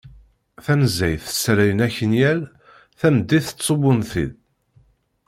Tanezzayt ssalayen akenyal; tameddit ttsubbun-t-id.